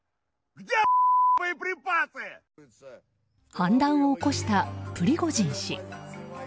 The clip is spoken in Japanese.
反乱を起こしたプリゴジン氏。